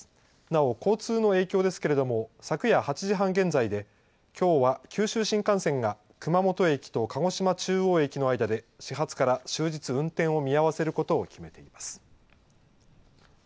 なお、交通の影響ですけれども昨夜８時半現在できょうは九州新幹線が熊本駅と鹿児島中央駅の間で始発から終日運転を見合わせることを決めています。